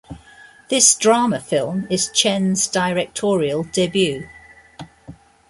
This drama film is Chen's directorial debut.